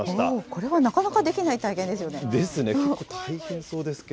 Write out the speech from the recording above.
これはなかなかできない体験ですよね。ですね。